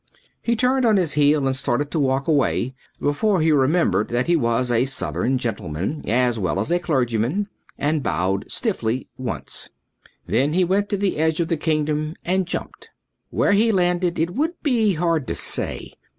He turned on his heel and started to walk away before he remembered that he was a Southern gentleman as well as a clergyman and bowed stiffly, once. Then he went to the edge of the kingdom and jumped. Where he landed it would be hard to say.